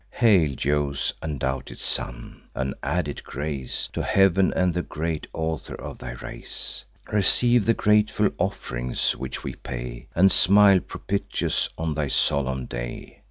Hail, Jove's undoubted son! an added grace To heav'n and the great author of thy race! Receive the grateful off'rings which we pay, And smile propitious on thy solemn day!"